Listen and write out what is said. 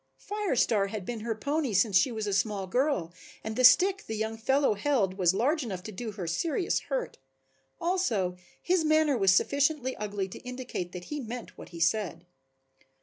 Fire Star had been her pony since she was a small girl and the stick the young fellow held was large enough to do her serious hurt, also his manner was sufficiently ugly to indicate that he meant what he said.